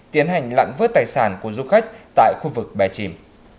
tiến hành lặn vớt tài sản của du khách tại khu vực bè chìm